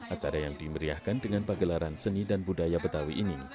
acara yang dimeriahkan dengan pagelaran seni dan budaya betawi ini